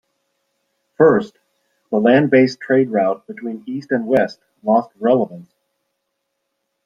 First, the land based trade route between east and west lost relevance.